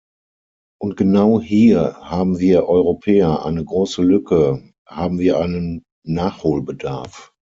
Und genau hier haben wir Europäer eine große Lücke, haben wir einen Nachholbedarf.